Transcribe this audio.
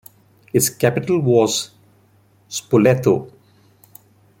Its capital was Spoleto.